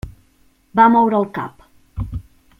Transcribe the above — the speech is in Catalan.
Va moure el cap.